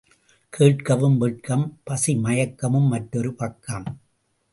கேட்கவும் வெட்கம் பசி மயக்கமும் மற்றொரு பக்கம்.